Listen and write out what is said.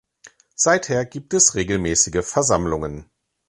Seither gibt es regelmäßige Versammlungen.